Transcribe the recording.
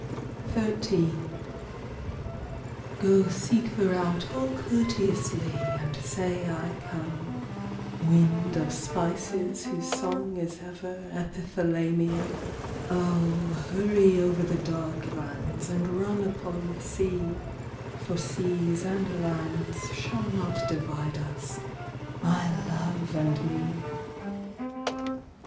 XIII Go seek her out all courteously, And say I come, Wind of spices whose song is ever Epithalamium. O, hurry over the dark lands And run upon the sea For seas and lands shall not divide us, My love and me.